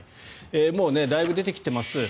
もうだいぶ出てきてます。